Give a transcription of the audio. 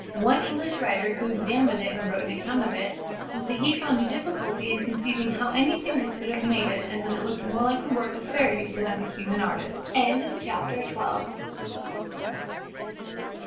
One English writer, who examined it and wrote an account of it, says that he found a difficulty in conceiving how any fingers could have made it, and that it looked more like the work of fairies than of a human artist. CHAPTER XIII.